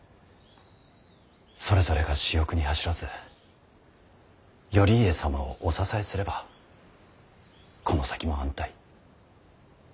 それぞれが私欲に走らず頼家様をお支えすればこの先も安泰。